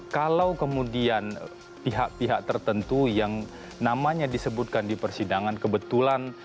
kalau kemudian pihak pihak tertentu yang namanya disebutkan di persidangan kebetulan